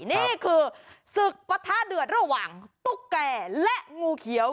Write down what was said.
นี่คือศึกปะทะเดือดระหว่างตุ๊กแก่และงูเขียว